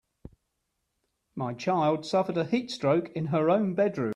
My child suffered a heat stroke in her own bedroom.